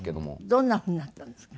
どんなふうになったんですか？